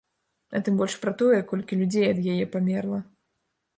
А тым больш пра тое, колькі людзей ад яе памерла.